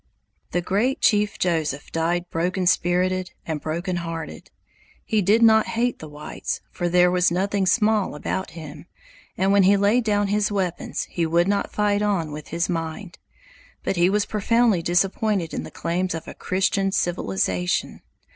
The great Chief Joseph died broken spirited and broken hearted. He did not hate the whites, for there was nothing small about him, and when he laid down his weapons he would not fight on with his mind. But he was profoundly disappointed in the claims of a Christian civilization.